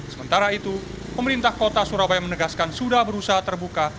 sementara itu pemerintah kota surabaya menegaskan sudah berusaha terbuka